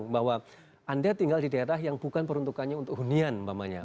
bahwa anda tinggal di daerah yang bukan peruntukannya untuk hunian umpamanya